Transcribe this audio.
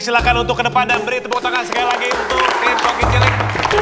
silahkan untuk ke depan dan beri tepuk tangan sekali lagi untuk tim profit cire